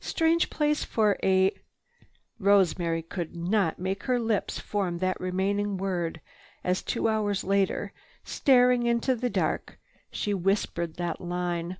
"Strange place for a—" Rosemary could not make her lips form that remaining word as, two hours later, staring into the dark, she whispered that line.